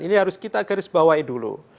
ini harus kita garis bawahi dulu